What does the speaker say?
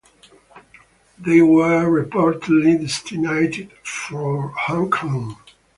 They were reportedly destined for Hong Kong.